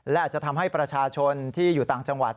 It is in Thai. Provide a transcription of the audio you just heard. และอาจจะทำให้ประชาชนที่อยู่ต่างจังหวัด